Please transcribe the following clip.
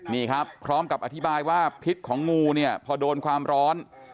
นี่ครับพร้อมกับอธิบายว่าพิษของงูเนี่ยพอโดนความร้อน